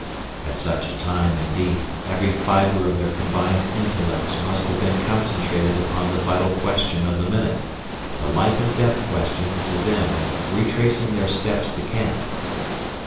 At such a time, indeed, every fiber of their combined intellects must have been concentrated upon the vital question of the minute—the life and death question to them of retracing their steps to camp.